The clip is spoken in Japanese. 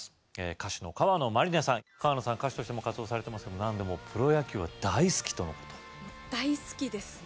歌手の河野万里奈さん歌手としても活動されてますけどなんでもプロ野球が大好きとのこと大好きですね